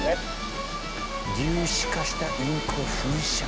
「粒子化したインクを噴射」。